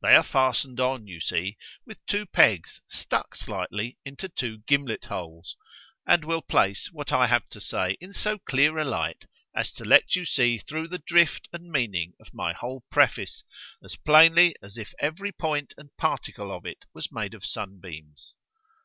—they are fastened on, you see, with two pegs stuck slightly into two gimlet holes, and will place what I have to say in so clear a light, as to let you see through the drift and meaning of my whole preface, as plainly as if every point and particle of it was made up of sun beams.